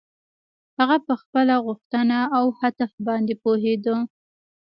هغه په خپله غوښتنه او هدف باندې پوهېده.